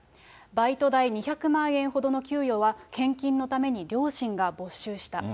バイト代２００万円ほどの給与は、献金のために両親が没収した。